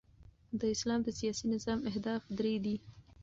د اسلام د سیاسي نظام اهداف درې دي.